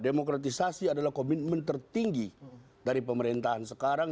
demokratisasi adalah komitmen tertinggi dari pemerintahan sekarang